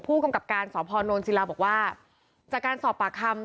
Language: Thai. ผู้กำกับการสพนศิลาบอกว่าจากการสอบปากคำ